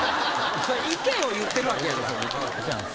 意見を言ってるわけやから。